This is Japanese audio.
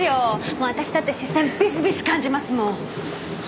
もう私だって視線ビシビシ感じますもん。